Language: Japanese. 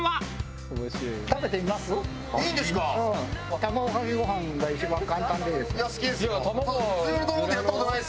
卵かけごはんが一番簡単で。